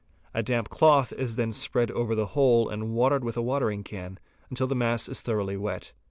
A damp cloth is then spread over the whole and watered with a watering can until the mass is thoroughly wet.